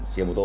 xe mô tô